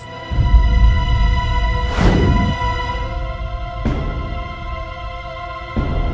sampai ketemu di rumah